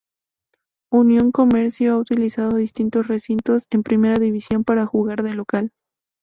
Unión Comercio ha utilizado distintos recintos en Primera División para jugar de local.